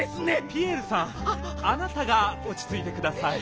ピエールさんあなたがおちついてください。